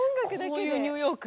こういうニューヨーク。